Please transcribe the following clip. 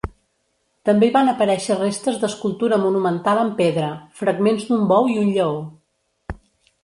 També hi van aparèixer restes d'escultura monumental en pedra: fragments d'un bou i un lleó.